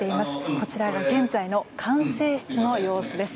こちら現在の管制室の様子です。